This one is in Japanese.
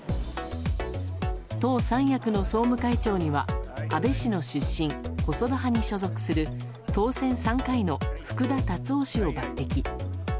党三役の総務会長には安倍氏の出身・細田派に所属する当選３回の福田達夫氏を抜擢。